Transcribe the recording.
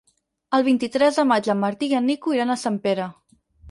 El vint-i-tres de maig en Martí i en Nico iran a Sempere.